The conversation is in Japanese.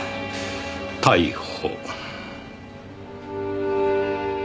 「逮捕」。